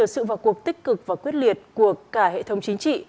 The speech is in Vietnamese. sự vào cuộc tích cực và quyết liệt của cả hệ thống chính trị